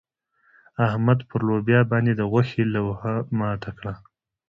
احمد پر لوبيا باندې د غوښې لوهه ماته کړه.